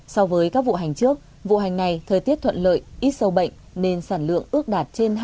so với các vụ hành trước vụ hành này thời tiết thuận lợi ít sâu bệnh nên sản lượng ước đạt trên hai hai trăm linh tấn hành củ